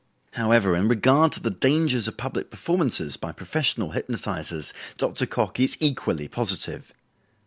However, in regard to the dangers of public performances by professional hypnotizers, Dr. Cocke is equally positive.